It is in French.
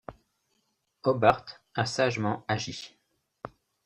Hobbart a sagement agi.